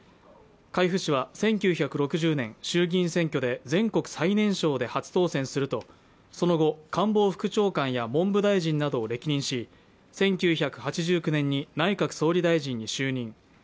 海部氏は１９６０年、衆議院選挙で全国最年少で初当選すると、その後、官房副長官や文部大臣などを歴任し１９８９年に内閣総理大臣に就任。